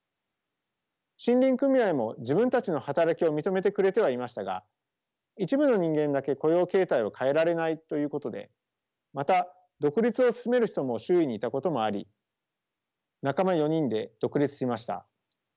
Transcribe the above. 森林組合も自分たちの働きを認めてくれてはいましたが一部の人間だけ雇用形態を変えられないということでまた独立を勧める人も周囲にいたこともあり仲間４人で独立しました。